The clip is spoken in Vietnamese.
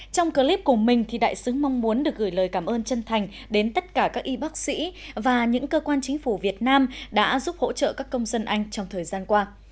trong clip của mình đại sứ mong muốn được gửi lời cảm ơn chân thành đến tất cả các y bác sĩ và những cơ quan chính phủ việt nam đã giúp hỗ trợ các công dân anh trong thời gian qua